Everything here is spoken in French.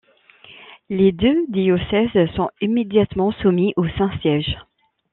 Les deux diocèses sont immédiatement soumis au Saint-Siège.